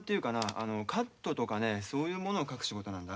あのカットとかねそういうものを描く仕事なんだ。